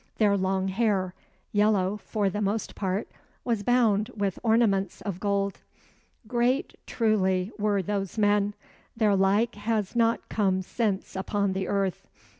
Their long hair, yellow for the most part, was bound with ornaments of gold. Great truly were those men; their like has not come since upon the earth.